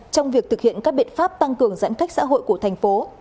trong việc thực hiện các biện pháp tăng cường giãn cách xã hội của thành phố